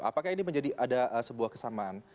apakah ini menjadi ada sebuah kesamaan